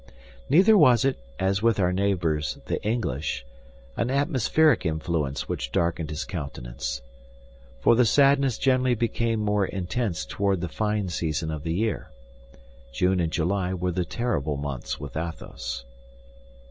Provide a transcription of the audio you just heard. Neither was it, as with our neighbors, the English, an atmospheric influence which darkened his countenance; for the sadness generally became more intense toward the fine season of the year. June and July were the terrible months with Athos.